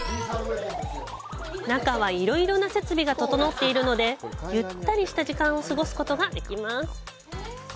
中は、いろいろな設備が調っているのでゆったりした時間を過ごすことができます。